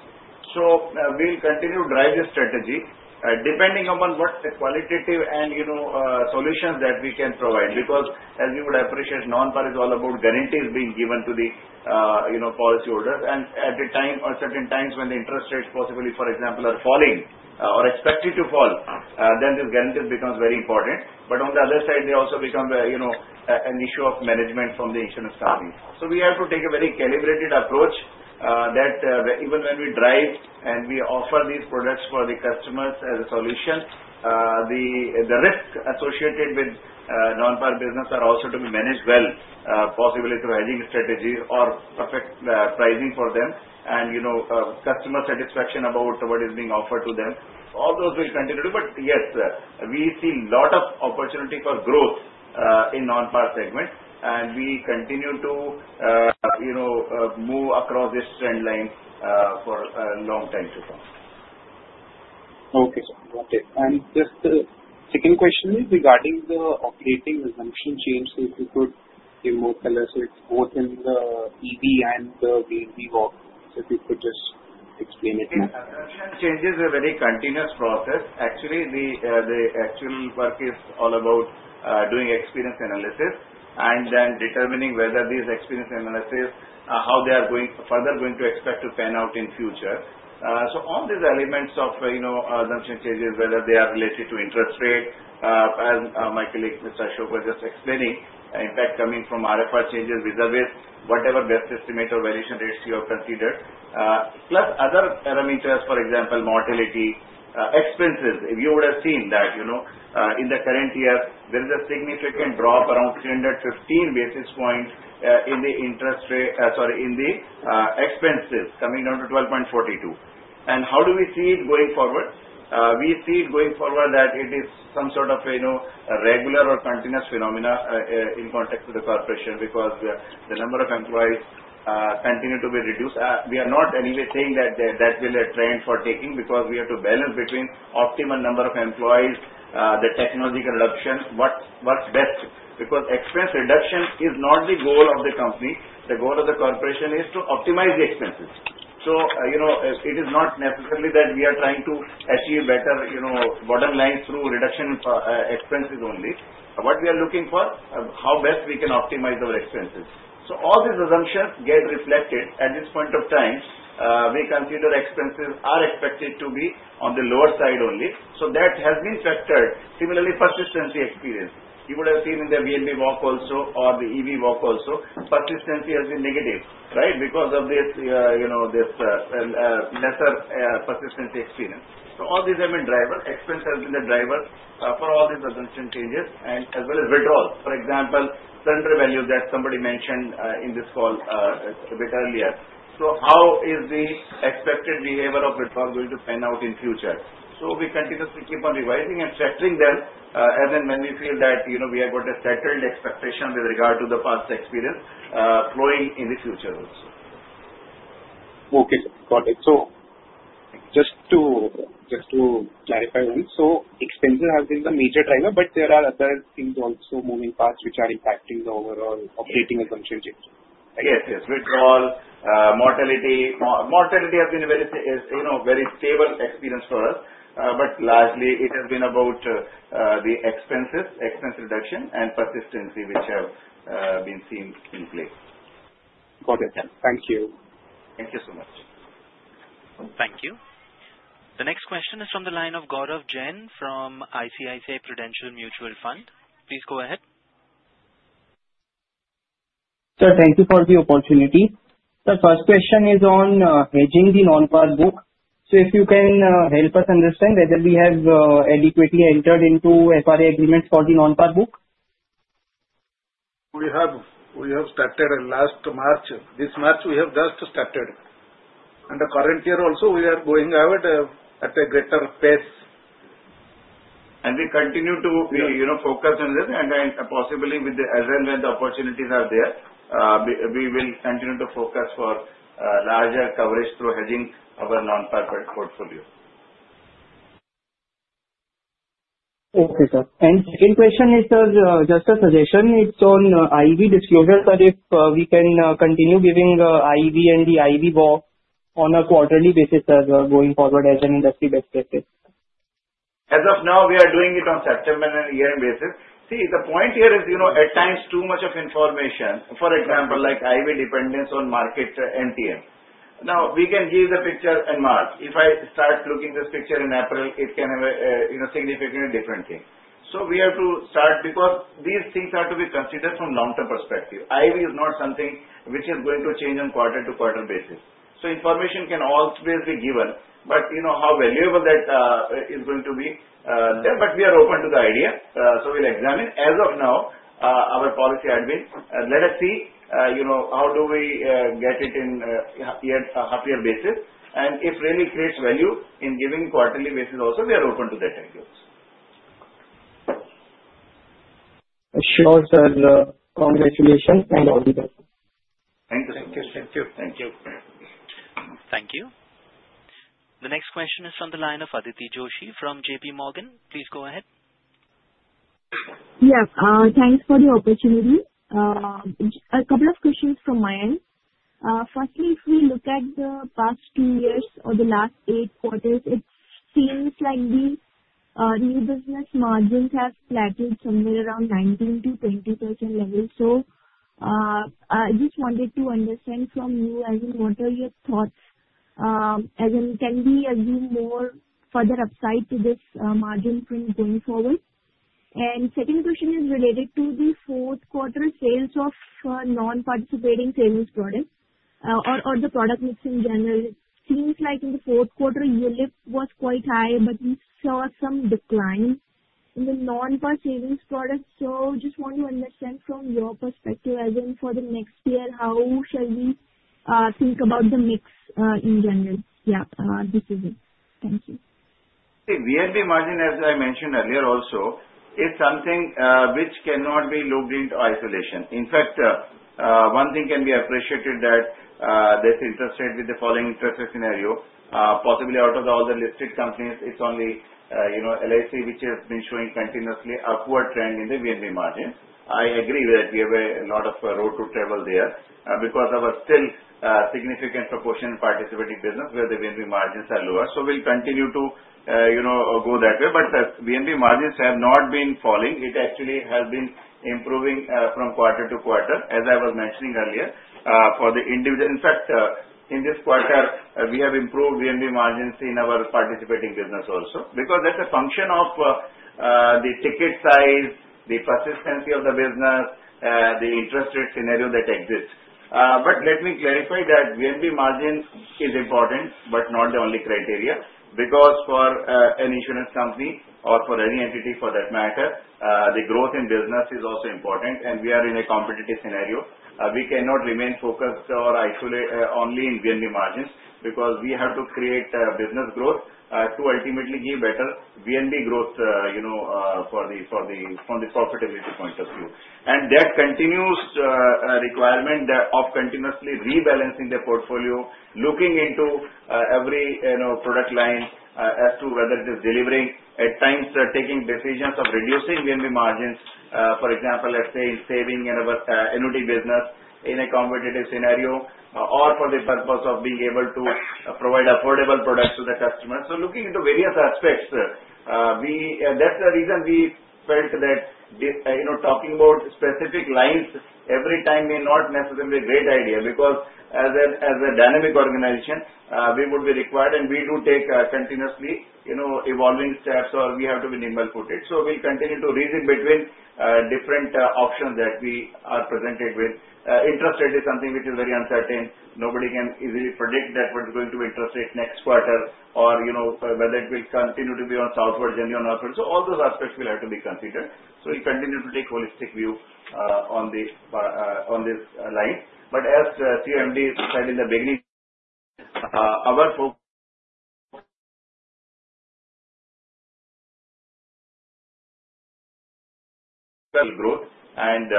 So we'll continue to drive this strategy depending upon what the qualitative and solutions that we can provide. Because as we would appreciate, Non-Par is all about guarantees being given to the policyholders. And at a time or certain times when the interest rates possibly, for example, are falling or expected to fall, then this guarantee becomes very important. But on the other side, there also becomes an issue of management from the insurance companies. So we have to take a very calibrated approach that even when we drive and we offer these products for the customers as a solution, the risk associated with Non-Par business are also to be managed well, possibly through hedging strategies or perfect pricing for them and customer satisfaction about what is being offered to them. All those will continue to. But yes, we see a lot of opportunity for growth in Non-Par segment. And we continue to move across this trend line for a long time to come. Okay. And just the second question is regarding the operating assumption change. So if you could give more color to it, both in the EV and the VNB box, if you could just explain it. Changes are a very continuous process. Actually, the actual work is all about doing experience analysis and then determining whether these experience analyses, how they are further going to expect to pan out in future. So all these elements of assumption changes, whether they are related to interest rate, as my colleague Mr. Ashok was just explaining, impact coming from RFR changes, vis-à-vis, whatever best estimate or valuation rates you have considered, plus other parameters, for example, mortality, expenses. If you would have seen that in the current year, there is a significant drop around 315 basis points in the interest rate, sorry, in the expenses coming down to 12.42. And how do we see it going forward? We see it going forward that it is some sort of a regular or continuous phenomenon in context with the corporation because the number of employees continue to be reduced. We are not in any way saying that that will trend for taking because we have to balance between optimal number of employees, the technological adoption, what's best. Because expense reduction is not the goal of the company. The goal of the corporation is to optimize the expenses. So it is not necessarily that we are trying to achieve better bottom lines through reduction of expenses only. What we are looking for, how best we can optimize our expenses. So all these assumptions get reflected at this point of time. We consider expenses are expected to be on the lower side only. So that has been factored. Similarly, persistency experience. You would have seen in the VNB box also or the EV box also, persistency has been negative, right? Because of this lesser persistency experience. So all these have been driver. Expenses have been the driver for all these assumption changes and as well as withdrawals. For example, surrender value that somebody mentioned in this call a bit earlier. So how is the expected behavior of withdrawal going to pan out in the future? So we continuously keep on revising and settling them as and when we feel that we have got a settled expectation with regard to the past experience flowing in the future also. Okay. Got it. So just to clarify one, so expenses have been the major driver, but there are other things also moving fast which are impacting the overall operating assumption change. Yes. Yes. Withdrawal, mortality. Mortality has been a very stable experience for us. But largely, it has been about the expenses, expense reduction, and persistency which have been put in place. Got it. Thank you. Thank you so much. Thank you. The next question is from the line of Gaurav Jain from ICICI Prudential Mutual Fund. Please go ahead. Sir, thank you for the opportunity. The first question is on hedging the Non-Par book. So if you can help us understand whether we have adequately entered into FRA agreements for the Non-Par book? We have started last March. This March, we have just started. And the current year also, we are going ahead at a greater pace. And we continue to focus on this. And possibly as well when the opportunities are there, we will continue to focus for larger coverage through hedging our Non-Par portfolio. Okay, sir. And second question is just a suggestion. It's on IEV disclosure, sir, if we can continue giving IEV and the IEV box on a quarterly basis, sir, going forward as an industry-based basis. As of now, we are doing it on September and year basis. See, the point here is at times, too much of information. For example, like IEV dependence on market MTM. Now, we can give the picture in March. If I start looking at th is picture in April, it can have a significantly different thing. So we have to start because these things have to be considered from long-term perspective. IEV is not something which is going to change on quarter-to-quarter basis. So information can always be given. But how valuable that is going to be there, but we are open to the idea. So we'll examine. As of now, our policy admin, let us see how do we get it in a half-year basis. And if really creates value in giving quarterly basis also, we are open to that idea also. Sure, sir. Congratulations and all the best. Thank you. The next question is from the line of Aditi Joshi from J.P. Morgan. Please go ahead. Yes. Thanks for the opportunity. A couple of questions from my end. Firstly, if we look at the past two years or the last eight quarters, it seems like the new business margins have plateaued somewhere around 19%-20% level. So I just wanted to understand from you as in what are your thoughts as in can we do more further upside to this margin print going forward? And second question is related to the fourth quarter sales of non-participating savings products or the product mix in general. Seems like in the fourth quarter, unit-linked was quite high, but we saw some decline in the Non-Par savings products. So just want to understand from your perspective as in for the next year, how shall we think about the mix in general? Yeah. This is it. Thank you. VNB margin, as I mentioned earlier also, is something which cannot be looked at in isolation. In fact, one thing can be appreciated that the interest rate in the following interest rate scenario. Possibly out of all the listed companies, it's only LIC which has been showing continuously a poor trend in the VNB margin. I agree that we have a lot of road to travel there because there is still a significant proportion of participating business where the VNB margins are lower. So we'll continue to go that way. But VNB margins have not been falling. It actually has been improving from quarter to quarter, as I was mentioning earlier, for the individual. In fact, in this quarter, we have improved VNB margins in our participating business also because that's a function of the ticket size, the persistency of the business, the interest rate scenario that exists. But let me clarify that VNB margin is important but not the only criteria because for an insurance company or for any entity for that matter, the growth in business is also important. And we are in a competitive scenario. We cannot remain focused or isolate only in VNB margins because we have to create business growth to ultimately give better VNB growth from the profitability point of view. And that continues requirement of continuously rebalancing the portfolio, looking into every product line as to whether it is delivering. At times, taking decisions of reducing VNB margins, for example, let's say in saving a unit business in a competitive scenario or for the purpose of being able to provide affordable products to the customers. So looking into various aspects, that's the reason we felt that talking about specific lines every time may not necessarily be a great idea because as a dynamic organization, we would be required and we do take continuously evolving steps or we have to be nimble-footed. So we'll continue to reason between different options that we are presented with. Interest rate is something which is very uncertain. Nobody can easily predict that what is going to be interest rate next quarter or whether it will continue to be on southward, generally on northward. So all those aspects will have to be considered. So we continue to take holistic view on this line. But as CMD said in the beginning, our focus is growth and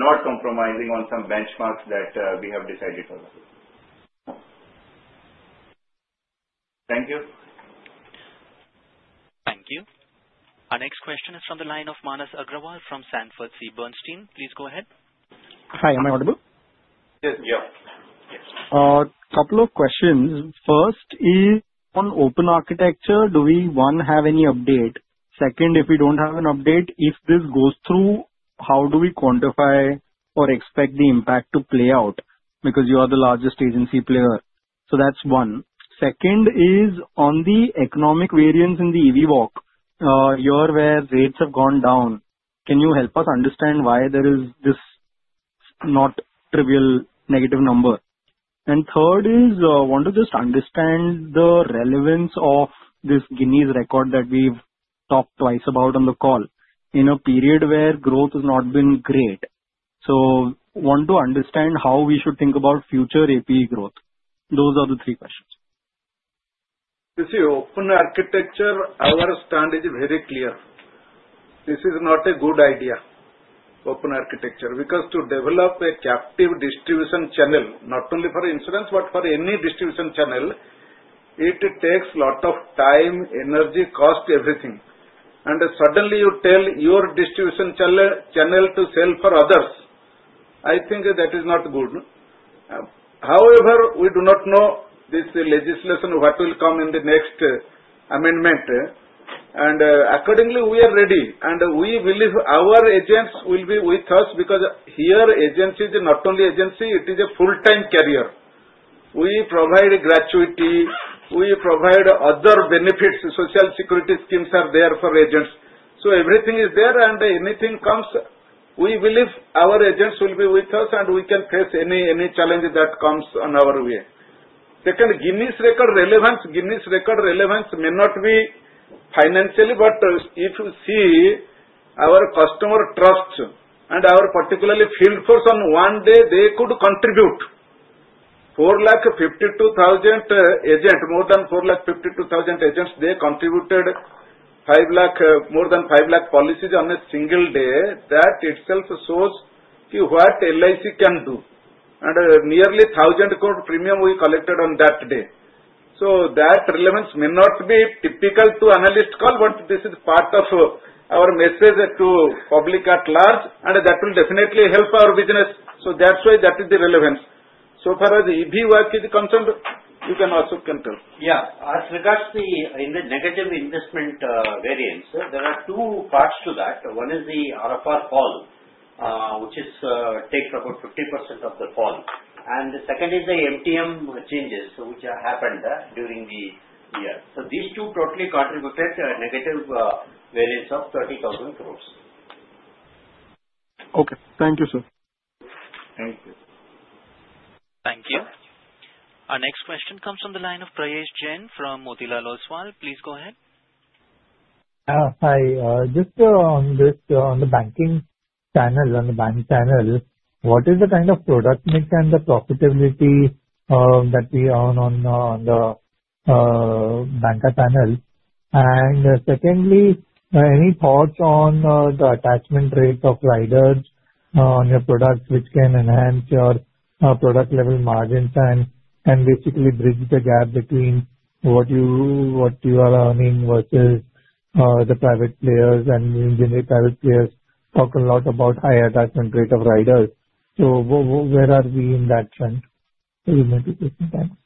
not compromising on some benchmarks that we have decided for that. Thank you. Thank you. Our next question is from the line of Manas Agrawal from Sanford C. Bernstein. Please go ahead. Hi. Am I audible? Yes. Yeah. A couple of questions. First is on open architecture. Do we have any update? Second, if we don't have an update, if this goes through, how do we quantify or expect the impact to play out? Because you are the largest agency player. So that's one. Second is on the economic variance in the EV box, here where rates have gone down. Can you help us understand why there is this not trivial negative number? And third is, I want to just understand the relevance of this Guinness record that we've talked twice about on the call in a period where growth has not been great. So I want to understand how we should think about future AP growth. Those are the three questions. You see, open architecture, our stand is very clear. This is not a good idea, open architecture. Because to develop a captive distribution channel, not only for insurance but for any distribution channel, it takes a lot of time, energy, cost, everything. And suddenly you tell your distribution channel to sell for others. I think that is not good. However, we do not know this legislation what will come in the next amendment. And accordingly, we are ready. And we believe our agents will be with us because here agency is not only agency, it is a full-time career. We provide gratuity. We provide other benefits. Social security schemes are there for agents. So everything is there. And anything comes, we believe our agents will be with us and we can face any challenge that comes on our way. Second, Guinness World Record relevance. Guinness World Record relevance may not be financial, but if you see our customer trust and our particular field force, on one day, they could contribute 452,000 agents, more than 452,000 agents. They contributed more than 5 lakh policies on a single day. That itself shows what LIC can do. And nearly 1,000 crore premium we collected on that day. So that relevance may not be typical to analyst call, but this is part of our message to public at large. And that will definitely help our business. So that's why that is the relevance. So far as EV work is concerned, you can also contribute. Yeah. As regards to the negative investment variance, there are two parts to that. One is the RFR fall, which takes about 50% of the fall. And the second is the MTM changes which happened during the year. So these two totally contributed negative variance of 30,000 crores. Okay. Thank you, sir. Thank you. Thank you. Our next question comes from the line of Prayesh Jain from Motilal Oswal. Please go ahead. Hi. Just on the banking channel, on the bank channel, what is the kind of product mix and the profitability that we own on the banca channel? And secondly, any thoughts on the attachment rate of riders on your products which can enhance your product-level margins and basically bridge the gap between what you are earning versus the private players? And generally, private players talk a lot about high attachment rate of riders? So where are we in that trend? Thank you.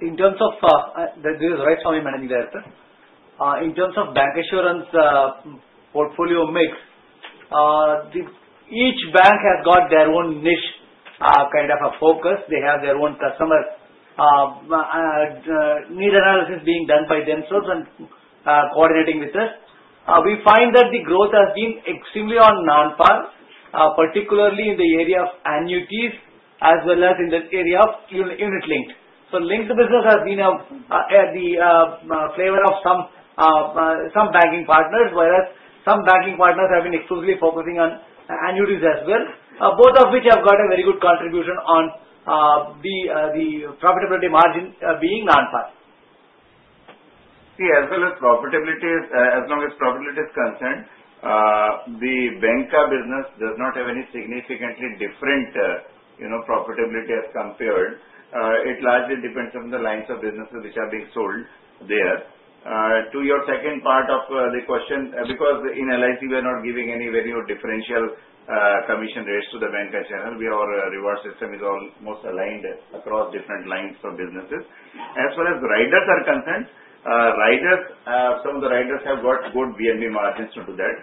In terms of this is right, sorry, Manas. In terms of bancassurance portfolio mix, each bank has got their own niche kind of a focus. They have their own customer need analysis being done by themselves and coordinating with us. We find that the growth has been extremely on Non-Par, particularly in the area of annuities as well as in the area of unit-linked. So linked business has been the flavor of some banking partners, whereas some banking partners have been exclusively focusing on annuities as well, both of which have got a very good contribution on the profitability margin being Non-Par. See, as well as profitability, as long as profitability is concerned, the bancassurance business does not have any significantly different profitability as compared. It largely depends on the lines of businesses which are being sold there. To your second part of the question, because in LIC, we are not giving any differential commission rates to the banca channel. Our reward system is almost aligned across different lines of businesses. As far as riders are concerned, some of the riders have got good VNB margins to do that.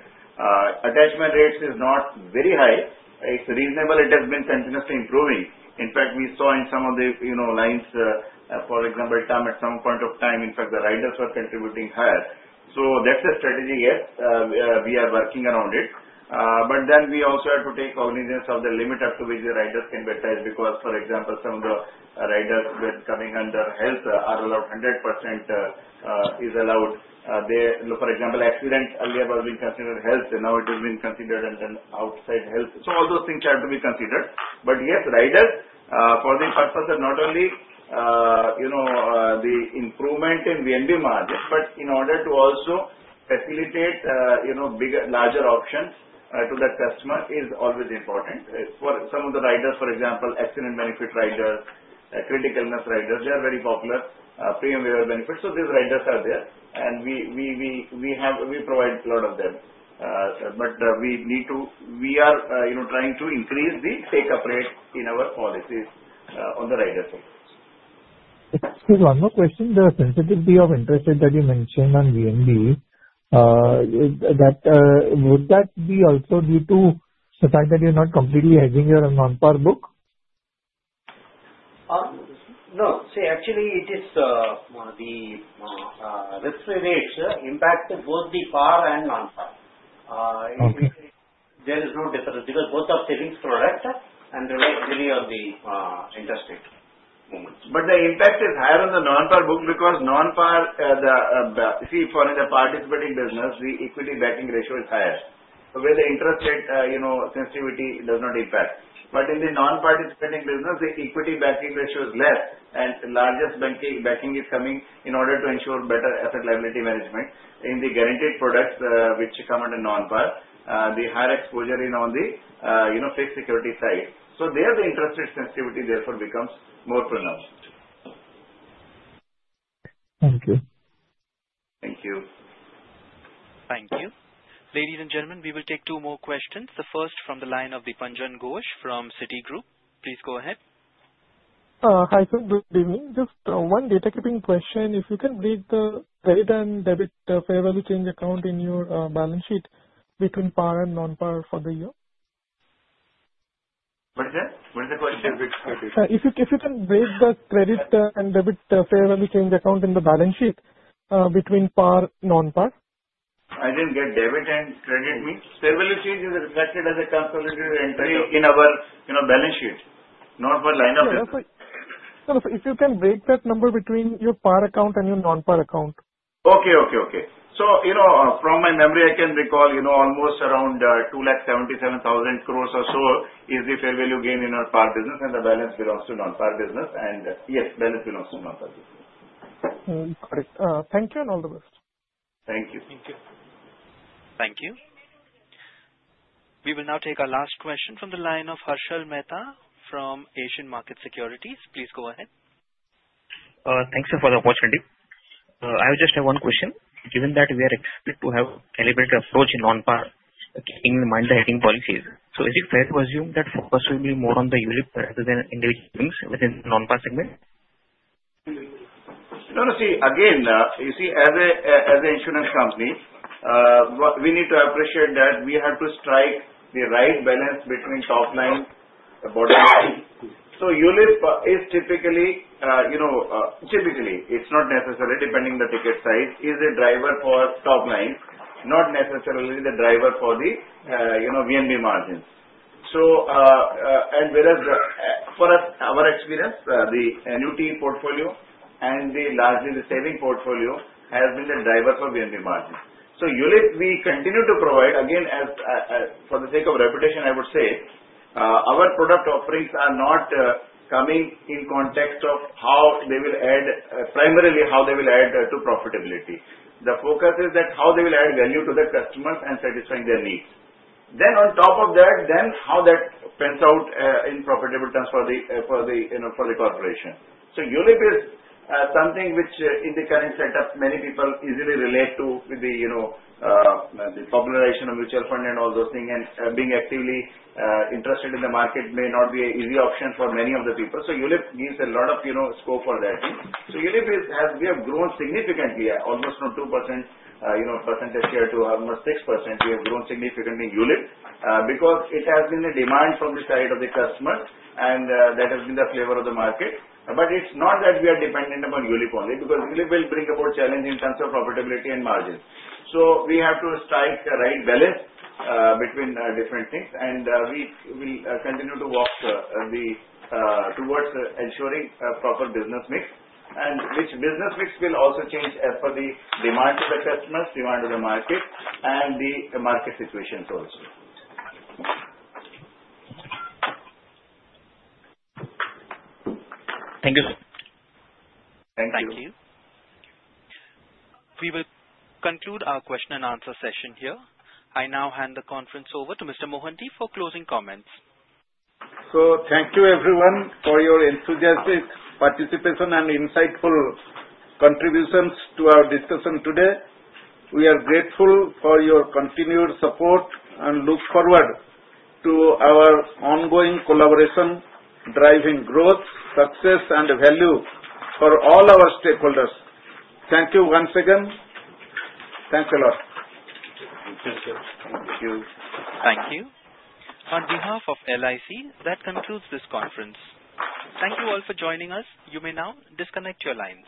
Attachment rates is not very high. It's reasonable. It has been continuously improving. In fact, we saw in some of the lines, for example, at some point of time, in fact, the riders were contributing higher. So that's a strategy, yes. We are working around it. But then we also have to take cognizance of the limit up to which the riders can be attached because, for example, some of the riders when coming under health are allowed 100% is allowed. For example, accident earlier was being considered health. Now it has been considered an outside health. So all those things have to be considered. But yes, riders, for the purpose of not only the improvement in VNB margins, but in order to also facilitate larger options to that customer is always important. For some of the riders, for example, accident benefit riders, critical illness riders, they are very popular, premium benefits. So these riders are there. And we provide a lot of them. But we are trying to increase the take-up rate in our policies on the rider side. Excuse me. One more question. The sensitivity of interest rate that you mentioned on VNB, would that be also due to the fact that you're not completely hedging your Non-Par book? No. See, actually, it is the risk-free rates impact both the Par and Non-Par. There is no difference because both are savings products and relate heavily on the interest rate movements. But the impact is higher on the Non-Par book because Non-Par, see, for the participating business, the equity backing ratio is higher. So where the interest rate sensitivity does not impact. But in the non-participating business, the equity backing ratio is less. And largest backing is coming in order to ensure better asset liability management in the guaranteed products which come under Non-Par. The higher exposure is on the fixed security side. So there, the interest rate sensitivity therefore becomes more pronounced. `Thank you. Thank you. Thank you. Ladies and gentlemen, we will take two more questions. The first from the line of Dipanjan Ghosh from Citigroup. Please go ahead. Hi, sir. Good evening. Just one data keeping question. If you can break the credit and debit Fair Value Change Account in your balance sheet between Par and Non-Par for the year? What is that? What is the question? If you can break the credit and debit Fair Value Change Account in the balance sheet between Par and Non-Par. I didn't get debit and credit means. Fair value change is reflected as a consolidated entry in our balance sheet. Not for line of business. No, sir. If you can break that number between your Par account and your Non-Par account. Okay. Okay. Okay. So from my memory, I can recall almost around 277,000 crores or so is the fair value gain in our Par business and the balance belongs to Non-Par business. And yes, balance belongs to Non-Par business. Got it. Thank you and all the best. Thank you. Thank you. Thank you. We will now take our last question from the line of Harshil Mehta from Asian Market Securities. Please go ahead. Thanks, sir, for the opportunity. I just have one question. Given that we are expected to have a calibrated approach in Non-Par income-yielding policies, so is it fair to assume that focus will be more on the unit rather than individual savings within the Non-Par segment? No, no. See, again, you see, as an insurance company, we need to appreciate that we have to strike the right balance between top line, bottom line. So unit is typically, it's not necessary, depending on the ticket size, is a driver for top line, not necessarily the driver for the VNB margins. And whereas for our experience, the annuity portfolio and largely the saving portfolio has been the driver for VNB margins. So unit, we continue to provide. Again, for the sake of reputation, I would say our product offerings are not coming in context of how they will add, primarily how they will add to profitability. The focus is that how they will add value to the customers and satisfy their needs. Then on top of that, then how that pans out in profitable terms for the corporation. So unit is something which in the current setup, many people easily relate to with the popularization of mutual fund and all those things and being actively interested in the market may not be an easy option for many of the people. So unit gives a lot of scope for that. So unit, we have grown significantly, almost from 2% percentage share to almost 6%. We have grown significantly in unit because it has been the demand from the side of the customers, and that has been the flavor of the market. But it's not that we are dependent upon unit only because unit will bring about challenge in terms of profitability and margins. So we have to strike the right balance between different things, and we will continue to work towards ensuring a proper business mix, which business mix will also change as per the demand of the customers, demand of the market, and the market situations also. Thank you, sir. Thank you. Thank you. We will conclude our question and answer session here. I now hand the conference over to Mr. Mohanty for closing comments. So thank you, everyone, for your enthusiastic participation and insightful contributions to our discussion today. We are grateful for your continued support and look forward to our ongoing collaboration, driving growth, success, and value for all our stakeholders. Thank you once again. Thanks a lot. Thank you. Thank you. Thank you. On behalf of LIC, that concludes this conference. Thank you all for joining us. You may now disconnect your lines.